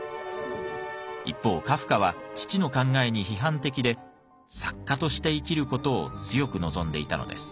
一方カフカは父の考えに批判的で作家として生きる事を強く望んでいたのです。